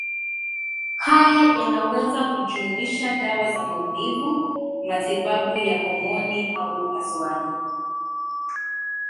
Haya yanaweza kujumuisha dawa za maumivu, matibabu ya homoni au upasuaji.